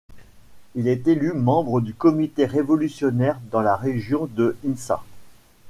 Il est élu membre du comité révolutionnaire dans la région de Insa.